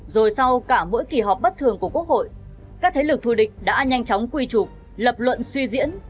rồi sau cả mỗi kỳ họp bất thường của quốc hội các thế lực thù địch đã nhanh chóng quy trục lập luận suy diễn